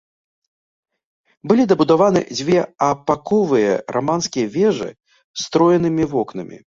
Былі дабудаваны дзве апаковыя раманскія вежы з строенымі вокнамі.